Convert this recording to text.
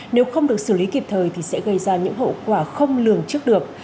nếu không được xử lý kịp thời thì sẽ gây ra những hậu quả không lường trước được